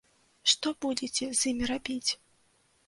Што будзеце з імі рабіць?